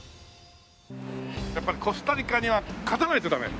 やっぱりコスタリカには勝たないとダメ？